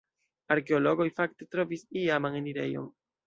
Arkeologoj fakte trovis iaman enirejon.